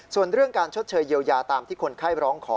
ส่วนเรื่องการชดเชยเยียวยาตามที่คนไข้ร้องขอ